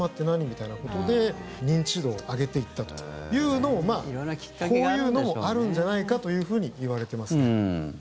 みたいなことで認知度を上げていったというのもこういうのもあるんじゃないかというふうにいわれていますね。